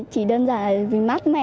chỉ đơn giản vì mát mẻ